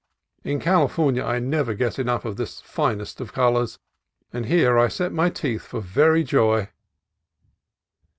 In California I never get enough of this finest of colors, and here I set my teeth for very joy.